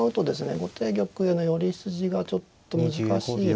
後手玉への寄り筋がちょっと難しいので。